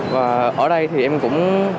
và ở đây thì em cũng